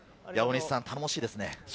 頼もしいですね。